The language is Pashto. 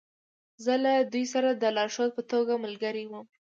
زه له دوی سره د لارښود په توګه ملګری وم